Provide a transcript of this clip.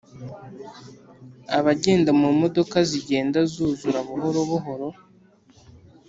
abagenda mu modoka zigenda zuzura buhoro buhoro